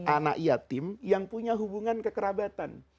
anak yatim yang punya hubungan kekerabatan